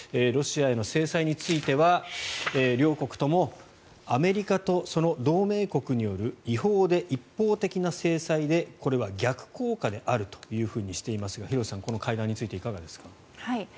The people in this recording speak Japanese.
ロシアへの制裁については両国ともアメリカとその同盟国による違法で一方的な制裁でこれは逆効果であるとしていますが廣瀬さん、この会談についてはいかがですか。